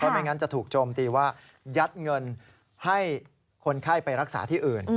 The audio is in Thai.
ไม่งั้นจะถูกโจมตีว่ายัดเงินให้คนไข้ไปรักษาที่อื่น